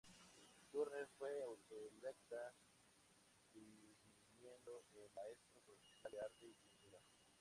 Turner fue autodidacta deviniendo en maestro profesional de arte y pintura.